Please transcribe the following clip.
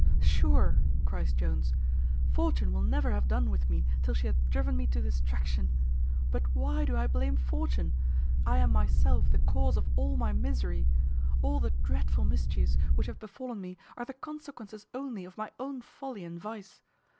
"Sure," cries Jones, "Fortune will never have done with me till she hath driven me to distraction. But why do I blame Fortune? I am myself the cause of all my misery. All the dreadful mischiefs which have befallen me are the consequences only of my own folly and vice.